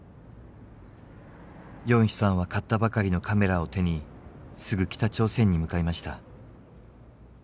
ヨンヒさんは買ったばかりのカメラを手にすぐ北朝鮮に向かいました。